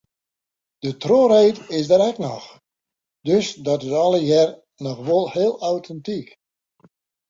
De trochreed is der ek noch, dus dat is allegear noch wol heel autentyk.